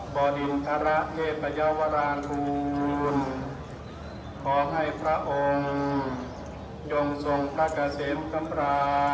บ่อดินทรเทพยาวราคูณขอให้พระองค์ย่งทรงฆกเซ็นต์กำราศ